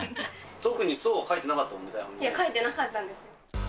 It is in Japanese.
特にそうは書いてなかったも書いてなかったんです。